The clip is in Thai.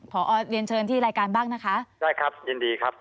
พอเรียนเชิญที่รายการบ้างนะคะได้ครับยินดีครับ